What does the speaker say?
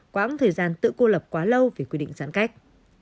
quãng thời gian tự cô lập quá lâu vì quy định giãn cách